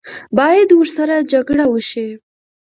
باید ورسره جګړه وشي.